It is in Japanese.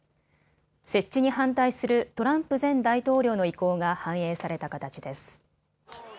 設置に反対するトランプ前大統領の意向が反映された形です。